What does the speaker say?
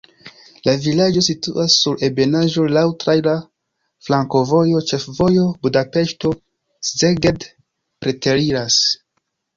La vilaĝo situas sur ebenaĵo, laŭ traira flankovojo, ĉefvojo Budapeŝto-Szeged preteriras.